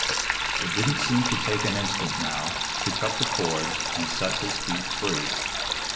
It didn't seem to take an instant, now, to cut the cords and set his feet free.